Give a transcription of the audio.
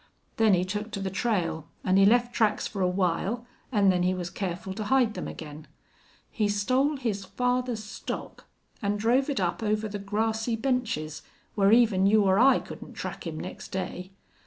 Then he took to the trail, an' he left tracks for a while, an' then he was careful to hide them again. He stole his father's stock an' drove it up over the grassy benches where even you or I couldn't track him next day.